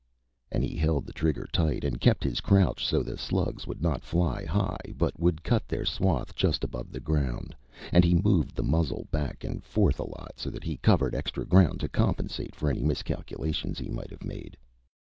And he held the trigger tight and kept his crouch so the slugs would not fly high, but would cut their swath just above the ground, and he moved the muzzle back and forth a lot so that he covered extra ground to compensate for any miscalculations he might have made.